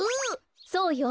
そうよ。